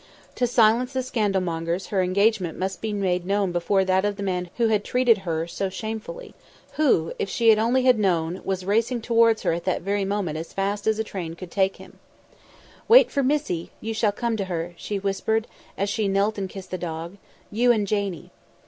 To silence the scandalmongers her engagement must be made known before that of the man who had treated her so shamefully; who, if only she had known, was racing towards her at that very moment as fast as train could take him. "Wait for Missie; you shall come to her," she whispered as she knelt and kissed the dog; "you and Janie."